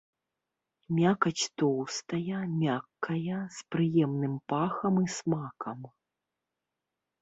Мякаць тоўстая, мяккая, з прыемным пахам і смакам.